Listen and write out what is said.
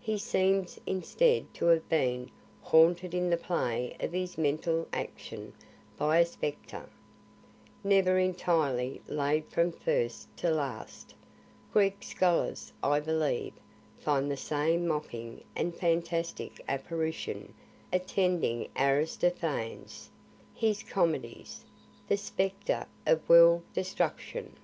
He seems instead to have been haunted in the play of his mental action by a spectre, never entirely laid from first to last, (Greek scholars, I believe, find the same mocking and fantastic apparition attending Aristophanes, his comedies,) the spectre of world destruction.